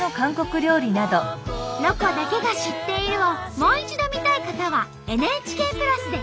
「ロコだけが知っている」をもう一度見たい方はＮＨＫプラスで！